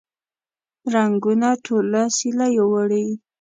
رنګونه ټوله سیلیو وړي